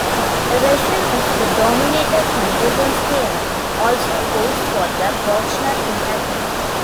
A version of the dominated convergence theorem also holds for the Bochner integral.